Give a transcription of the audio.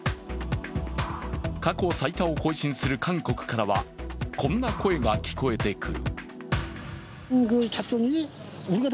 過去最多を更新する韓国からはこんな声が聞こえてくる。